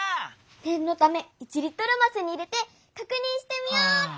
ねんのため１リットルますに入れてかくにんしてみようっと！